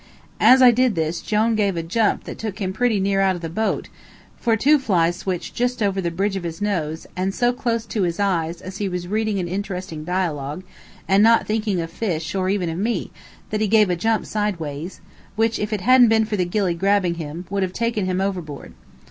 As I did this Jone gave a jump that took him pretty near out of the boat, for two flies swished just over the bridge of his nose, and so close to his eyes as he was reading an interesting dialogue, and not thinking of fish or even of me, that he gave a jump sideways, which, if it hadn't been for the gilly grabbing him, would have taken him overboard.